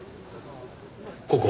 ここ。